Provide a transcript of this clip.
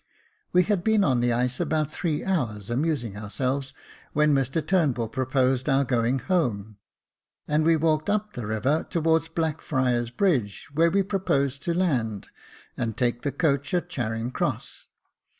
We had been on the ice about three hours, amusing ourselves, when Mr Turnbull pro posed our going home, and we walked up the river towards Blackfriars Bridge where we proposed to land, and take the coach at Charing Cross.